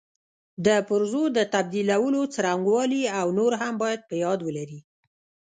د پرزو د تبدیلولو څرنګوالي او نور هم باید په یاد ولري.